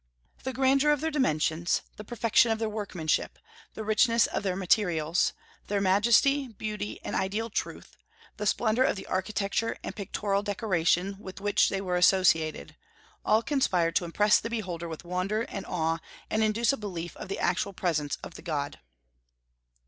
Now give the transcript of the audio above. "The grandeur of their dimensions, the perfection of their workmanship, the richness of their materials, their majesty, beauty, and ideal truth, the splendor of the architecture and pictorial decoration with which they were associated, all conspired to impress the beholder with wonder and awe, and induce a belief of the actual presence of the god."